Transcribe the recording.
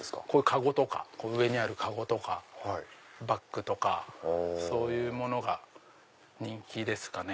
籠とか上にある籠とかバッグとかそういうものが人気ですかね。